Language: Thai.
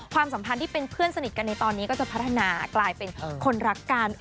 สัมพันธ์ที่เป็นเพื่อนสนิทกันในตอนนี้ก็จะพัฒนากลายเป็นคนรักกัน